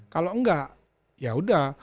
kalau enggak ya udah